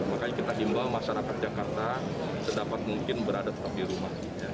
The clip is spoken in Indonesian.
makanya kita himbau masyarakat jakarta sedapat mungkin berada tetap di rumah